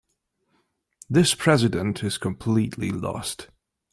This president is completely lost.